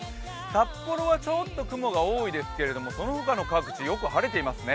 札幌はちょっと雲が多いですけれども、その他の各地、よく晴れていますね。